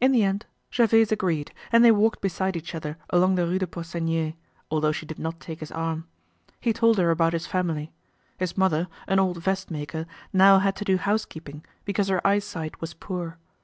In the end, Gervaise agreed and they walked beside each other along the Rue des Poissonniers, although she did not take his arm. He told her about his family. His mother, an old vest maker, now had to do housekeeping because her eyesight was poor.